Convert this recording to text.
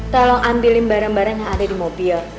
tolong ambilin barang barang yang ada di mobil